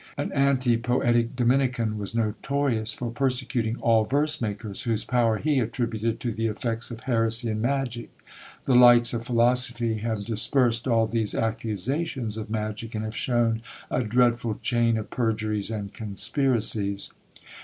An anti poetic Dominican was notorious for persecuting all verse makers; whose power he attributed to the effects of heresy and magic. The lights of philosophy have dispersed all these accusations of magic, and have shown a dreadful chain of perjuries and conspiracies.